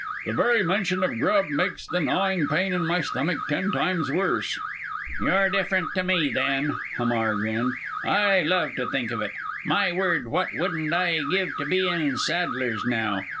The very mention of grub makes the gnawing pain in my stomach ten times worse." "You're different to me then!" Hamar grinned; "I love to think of it. My word, what wouldn't I give to be in Sadler's now.